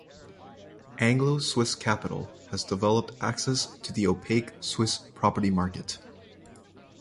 Anglo Swiss Capital has developed access to the opaque Swiss property market.